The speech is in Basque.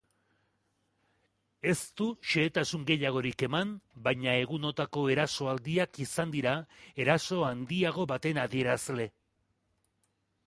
Ez du xehetasun gehiagorik eman, baina egunotako erasoaldiak izan dira eraso handiago baten adierazle.